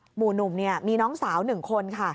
หมู่หนุ่มนี่มีน้องสาวหนึ่งคนค่ะ